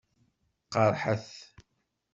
Qeṛṛḥet.